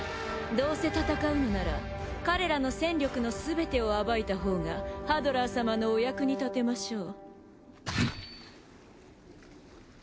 どうせ戦うのなら彼らの戦力のすべてを暴いたほうがハドラー様のお役に立てましょう。